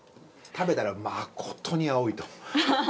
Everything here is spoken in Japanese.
食べたら「まことに青い」と。